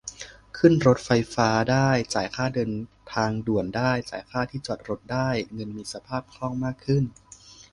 ขึ้นรถไฟฟ้าได้ จ่ายค่าทางด่วนได้ จายค่าที่จอดรถได้ - เงินมีสภาพคล่องมากขึ้น